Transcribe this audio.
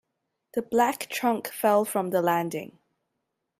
The black trunk fell from the landing.